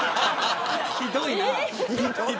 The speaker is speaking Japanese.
ひどいな。